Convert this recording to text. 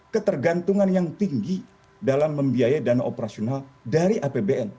ketergantungan yang tinggi dalam membiayai dana operasional dari apbn